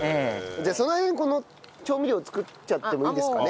じゃあその間にこの調味料作っちゃってもいいですかね？